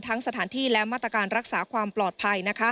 สถานที่และมาตรการรักษาความปลอดภัย